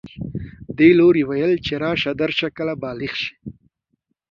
دې لوري ویل چې راشه درشه کله بالغ شي